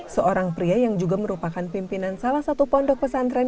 seorang pria yang juga merupakan pimpinan salah satu pondok pesantren